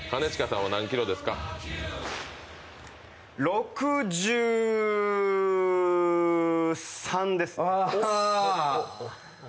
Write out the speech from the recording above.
６３です。